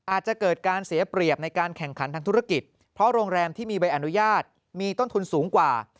อาจจะเกิดการเสียเปรียบในการแข่งขันทางธุรกิจเพราะโรงแรมที่มีใบอนุญาตมีต้นทุนสูงกว่า